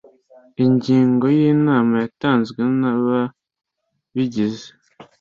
ingingo ya inama yatanzwe n uwabigize